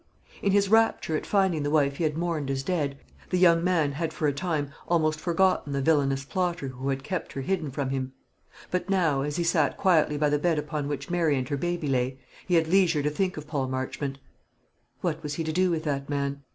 In his rapture at finding the wife he had mourned as dead, the young man had for a time almost forgotten the villanous plotter who had kept her hidden from him. But now, as he sat quietly by the bed upon which Mary and her baby lay, he had leisure to think of Paul Marchmont. What was he to do with that man?